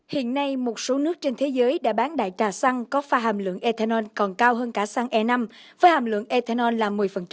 hiện nay một số nước trên thế giới đã bán đại trà xăng có pha hàm lượng ethanol còn cao hơn cả xăng e năm với hàm lượng ethanol là một mươi